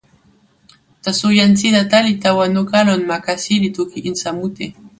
taso jan Sitata li tawa noka lon ma kasi li toki insa mute.